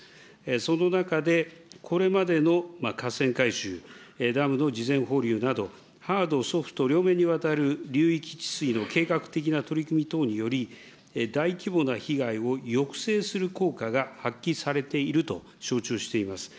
その中で、これまでの河川改修、ダムの事前放流など、ハード、ソフト両面にわたる流域治水の計画的な取り組み等により、大規模な被害を抑制する効果が発揮されていると承知をしています。